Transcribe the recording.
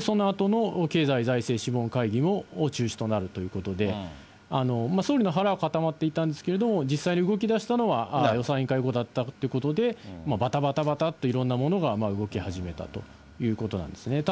そのあとの経済財政諮問会議も中止となるということで、総理の腹は固まっていたんですけれども、実際に動きだしたのは予算委員会後だったということで、ばたばたばたっと、いろんなものが動き始めたということなんですね。